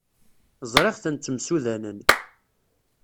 Ẓriɣ-ten ttemsudanen.